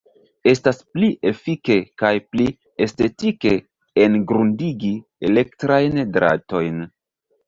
Estas pli efike kaj pli estetike engrundigi elektrajn dratojn.